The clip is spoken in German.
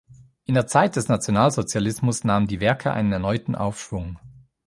In der Zeit des Nationalsozialismus nahmen die Werke einen erneuten Aufschwung.